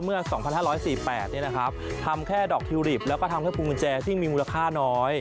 เมื่อ๒๕๔๘ทำแค่ดอกทิวริปแล้วก็ทำแค่พุงกุญแจที่มีมูลค่าน้อย